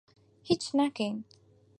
هیچ ناکەین.